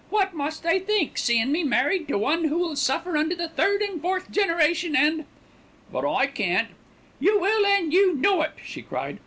What must they think, seein' me married to one who will suffer unto the third and fourth generation and " "But I can't " "You will and you know it," she cried.